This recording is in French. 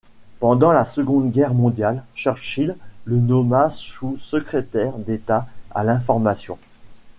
Pendant la Seconde Guerre mondiale, Churchill le nomma sous-secrétaire d'État à l'Information.